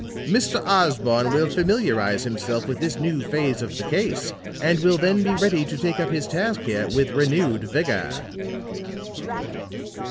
Mr. Osborne will familiarize himself with this new phase of the case and will then be ready to take up his task here with renewed vigor."